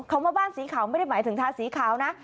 ว่าบ้านสีขาวไม่ได้หมายถึงทาสีขาวนะ